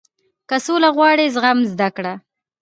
• که سوله غواړې، زغم زده کړه.